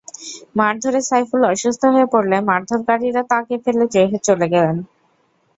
মারধরে সাইফুল অসুস্থ হয়ে পড়লে মারধরকারীরা তাঁকে ফেলে রেখে চলে যান।